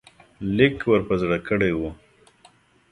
لیک ور په زړه کړی وو.